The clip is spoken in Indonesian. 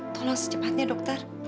tolong secepatnya dokter